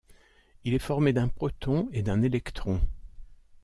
Il est formé d'un proton et d'un électron.